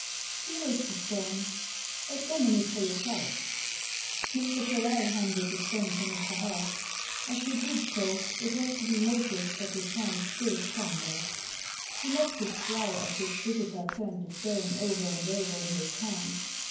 " Here is the stone. Examine it for yourself." Mr. Tyrrel handed the stone to Mr. Hart As he did so it was to be noticed that his hand still trembled. He mopped his brow as his visitor turned the stone over and over in his hands.